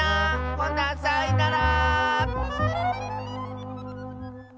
ほなさいなら！